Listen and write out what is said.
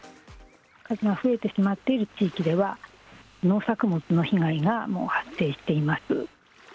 数が増えてしまっている地域では、農作物の被害がもう発生しています。